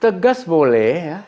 tegas boleh ya